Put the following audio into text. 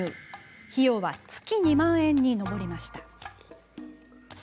費用は月２万円に上りました。